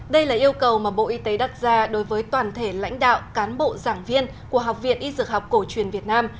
đây là yêu cầu mà bộ y tế đặt ra đối với toàn thể lãnh đạo cán bộ giảng viên của học viện y dược học cổ truyền việt nam